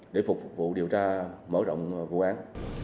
để phục vụ điều tra mở rộng vụ án